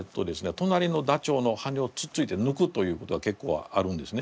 となりのダチョウの羽根をつっついてぬくということが結構あるんですね。